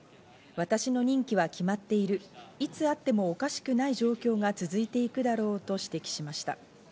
私の任期は決まっている、いつあってもおかしくない状況が続いていくだろうと指摘しました。